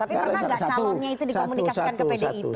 tapi pernah nggak calonnya itu dikomunikasikan ke pdip